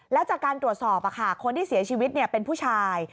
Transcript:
แล้วจากการตรวจสอบคนที่เสียชีวิตเป็นผู้ชาย